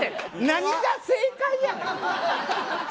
何が正解やねん。